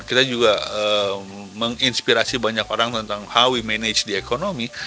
kita juga menginspirasi banyak orang tentang how we manage di ekonomi